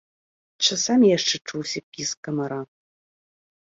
Часамі яшчэ чуўся піск камара.